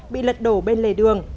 bị lật đổ bên lề đường